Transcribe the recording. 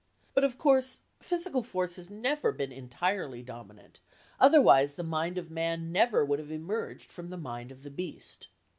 But, of course, physical force has never been entirely dominant, otherwise the mind of man never would have emerged from the mind of the beast.